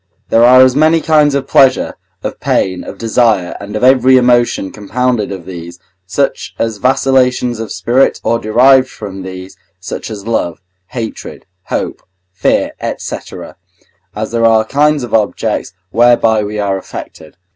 There are as many kinds of pleasure, of pain, of desire, and of every emotion compounded of these, such as vacillations of spirit, or derived from these, such as love, hatred, hope, fear, &c., as there are kinds of objects whereby we are affected.